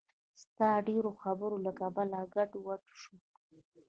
ستا د ډېرو خبرو له کبله کدو شوم.